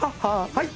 はい。